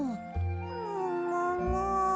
ももも。